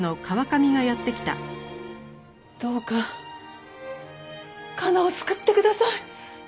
どうか加奈を救ってください。